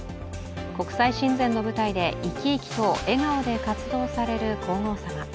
国際親善の舞台で生き生きと笑顔で活動される皇后さま。